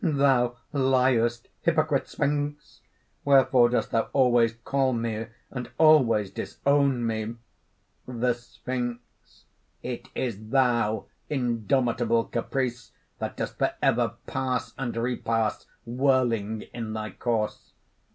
"Thou liest, hypocrite Sphinx! Wherefore dost thou always call me and always disown me!" THE SPHINX. "It is thou, indomitable caprice, that dost forever pass and repass, whirling in thy course!"